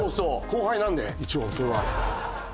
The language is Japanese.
後輩なんで一応それは。